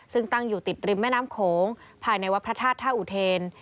ซึ่งตั้งอยู่ติดริมแม่น้ำโขงภายในวัดพระธาตุท่าอุเทน